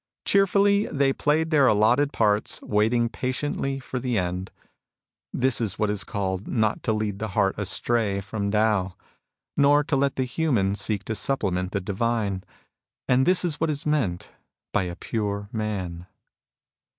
Cheerfully they played their allotted parts, waiting patiently for the end. This is what is called not to lead the heart astray from Tao, nor to let the human seek to supplement the divine. And this is what is meant by a pure man.